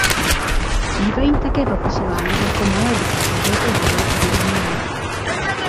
Bývají také popisovány jako malé bytosti s velkou hlavou a dlouhými vlasy.